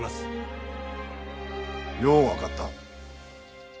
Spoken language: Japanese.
よう分かった。